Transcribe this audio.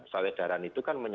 salih daran itu kan